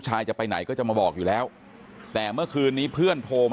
อายุ๑๐ปีนะฮะเขาบอกว่าเขาก็เห็นถูกยิงนะครับ